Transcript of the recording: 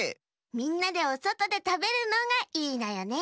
みんなでおそとでたべるのがいいのよね。